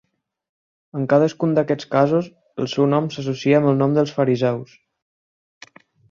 En cadascun d"aquests casos, el seu nom s"associa amb el nom dels fariseus.